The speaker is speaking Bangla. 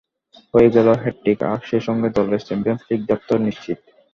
হয়ে গেল হ্যাটট্রিক আর সে সঙ্গে দলের চ্যাম্পিয়নস লিগ যাত্রাও নিশ্চিত